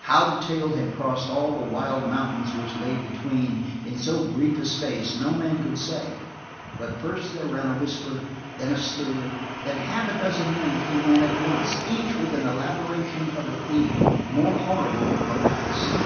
How the tale had crossed all the wild mountains which lay between in so brief a space no man could say, but first there ran a whisper and then a stir, and then half a dozen men came in at once, each with an elaboration of the theme more horrible than the last.